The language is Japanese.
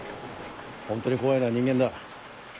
ホントに怖いのは人間だ。